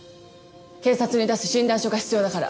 警察に出す診断書が必要だから。